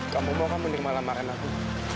kamu mau kamu menerima lamaran aku